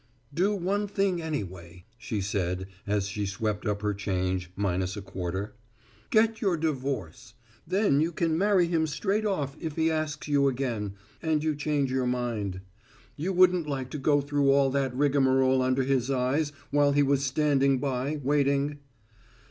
"Do one thing anyway," she said as she swept up her change, minus a quarter, "get your divorce. Then you can marry him straight off, if he asks you again and you change your mind. You wouldn't like to go through all that rigmarole under his eyes, while he was standing by, waiting."